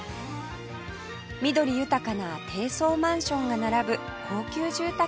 緑豊かな低層マンションが並ぶ高級住宅街です